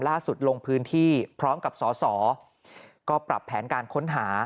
ลงพื้นที่พร้อมกับสอสอก็ปรับแผนการค้นหา